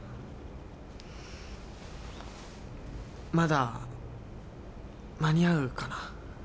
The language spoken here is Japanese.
まだ間に合うかな？